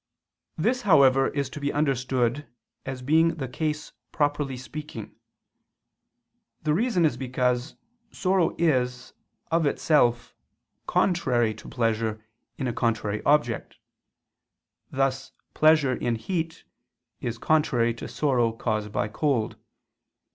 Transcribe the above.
This, however, is to be understood as being the case properly speaking. The reason is because sorrow is of itself contrary to pleasure in a contrary object: thus pleasure in heat is contrary to sorrow caused by cold.